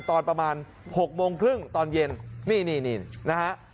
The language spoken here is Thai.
ตอนประมาณ๖โมงครึ่งตอนเย็นนี่นี่นะฮะ